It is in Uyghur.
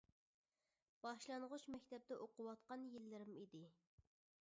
باشلانغۇچ مەكتەپتە ئوقۇۋاتقان يىللىرىم ئىدى.